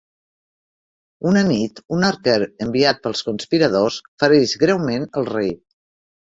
Una nit, un arquer enviat pels conspiradors fereix greument el rei.